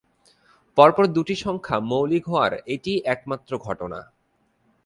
পরপর দুটি সংখ্যা মৌলিক হওয়ার এটিই একমাত্র ঘটনা।